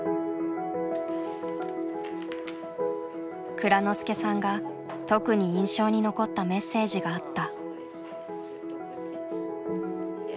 蔵之介さんが特に印象に残ったメッセージがあった。